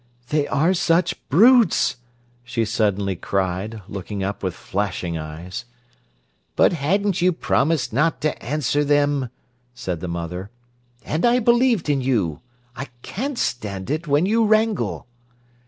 "They are such brutes!" she suddenly cried, looking up with flashing eyes. "But hadn't you promised not to answer them?" said the mother. "And I believed in you. I can't stand it when you wrangle."